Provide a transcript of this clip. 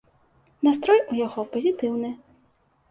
Настрой у яго пазітыўны.